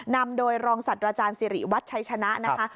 นำโดยรองศัตว์อาจารย์สิริวัตรชัยชนะนะคะ